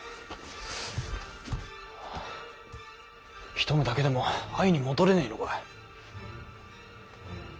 一目だけでも会いに戻れねえのか。